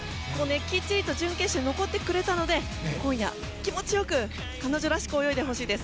きちんと準決勝に残ってくれたので今夜、気持ち良く彼女らしく泳いでほしいです。